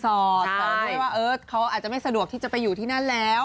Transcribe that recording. ต่อด้วยว่าเขาอาจจะไม่สะดวกที่จะไปอยู่ที่นั่นแล้ว